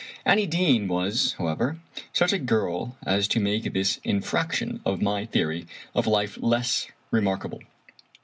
Annie Deane was, however, such a girl as to make this infraction of my theory of life less remarkable.